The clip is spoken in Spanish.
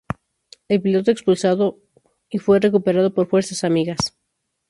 El piloto expulsado y fue recuperado por fuerzas amigas.